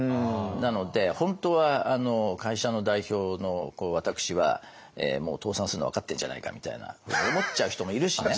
なので本当は会社の代表の私はもう倒産するの分かってんじゃないかみたいな思っちゃう人もいるしね。